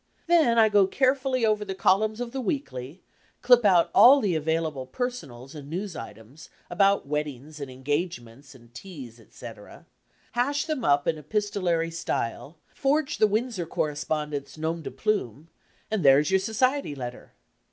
Then I go carefully over the columns of the weekly, clip out all the available personals and news items, about weddings, and engagements, and teas, etc., hash them up in epistolary style, forge the Wind sor correspondent's nom de plume and there's your so ciety lener!